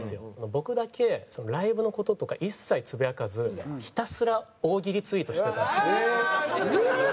僕だけライブの事とか一切つぶやかずひたすら大喜利ツイートしてたんです。